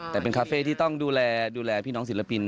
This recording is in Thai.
แต่เป็นคาเฟ่ที่ต้องดูแลดูแลพี่น้องศิลปิน